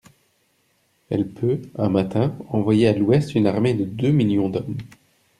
Elle peut, un matin, envoyer à l'ouest une armée de deux millions d'hommes.